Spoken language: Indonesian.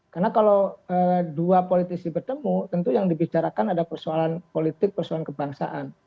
karena kalau dua politisi bertemu tentu yang dibicarakan ada persoalan politik persoalan kebangsaan